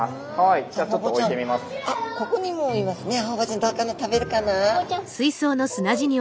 ここにもいますね。